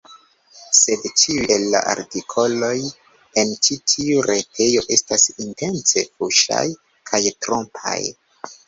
Sed, ĉiuj el la artikoloj en ĉi tiu retejo estas intence fuŝaj kaj trompaj.